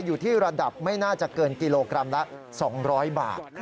อยู่ที่ระดับไม่น่าจะเกินกิโลกรัมละ๒๐๐บาท